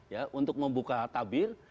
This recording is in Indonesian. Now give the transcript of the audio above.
ya untuk membuka tabir